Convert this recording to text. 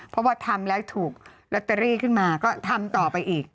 เพราะว่าทำแล้วถูกลอตเตอรี่ขึ้นมาก็ทำต่อไปอีก